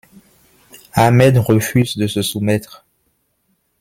Ahmed refuse de se soumettre.